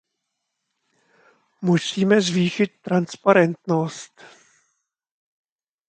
Musíme zvýšit transparentnost.